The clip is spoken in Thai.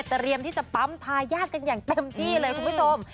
เตรียมที่จะปั๊มทายาทกันอย่างเต็มที่เลยคุณผู้ชม